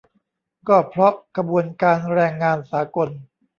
ก็เพราะขบวนการแรงงานสากล